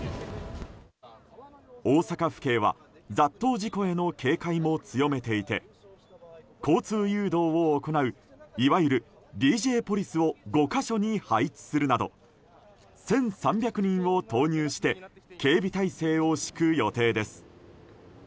大阪府警は雑踏事故への警戒も強めていて交通誘導を行ういわゆるＤＪポリスを５か所に配置するなど１３００人を投入して警備態勢を敷く予定です。